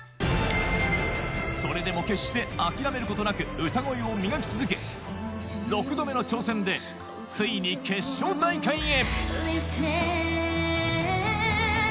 それでも決して諦めることなく歌声を磨き続け６度目の挑戦でついに決勝大会へ